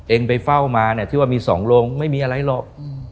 ไปเฝ้ามาเนี่ยที่ว่ามี๒โรงไม่มีอะไรหรอก